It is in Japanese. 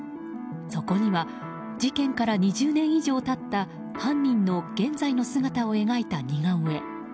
そこには事件から２０年以上経った犯人の現在の姿を描いた似顔絵。